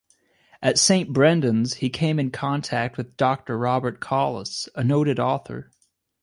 At Saint Brendan's he came in contact with Doctor Robert Collis, a noted author.